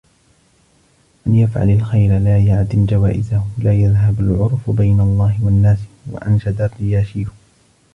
مَنْ يَفْعَلْ الْخَيْرَ لَا يَعْدَمْ جَوَائِزَهُ لَا يَذْهَبُ الْعُرْفُ بَيْنَ اللَّهِ وَالنَّاسِ وَأَنْشَدَ الرِّيَاشِيُّ